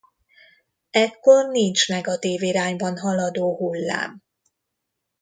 Ekkor nincs negatív irányban haladó hullám.